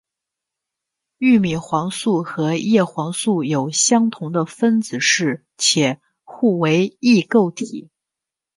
玉米黄素和叶黄素有相同的分子式且互为异构体。